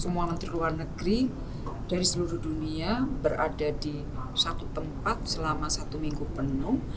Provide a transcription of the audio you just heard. semua menteri luar negeri dari seluruh dunia berada di satu tempat selama satu minggu penuh